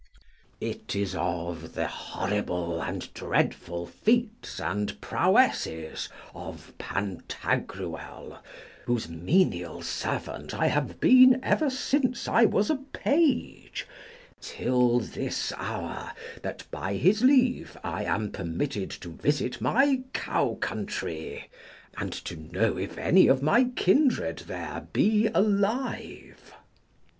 It is of the horrible and dreadful feats and prowesses of Pantagruel, whose menial servant I have been ever since I was a page, till this hour that by his leave I am permitted to visit my cow country, and to know if any of my kindred there be alive.